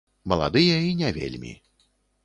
Маладыя і не вельмі.